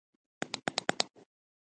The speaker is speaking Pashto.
له انګریزانو له خدمت څخه تښتېدلی دی.